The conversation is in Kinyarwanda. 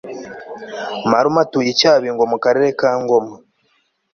marume atuye i cyabingo mukarere kangoma